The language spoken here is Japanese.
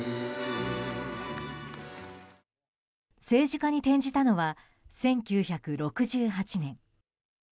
政治家に転じたのは１９６８年。